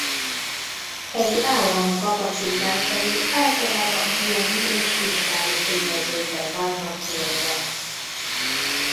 Egy állam kapacitásai általában jogi és fiskális tényezőkben vannak mérve.